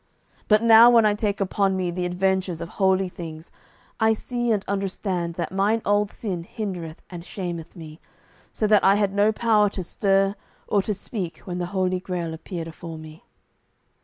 But now when I take upon me the adventures of holy things, I see and understand that mine old sin hindereth and shameth me, so that I had no power to stir or to speak when the Holy Grail appeared afore me."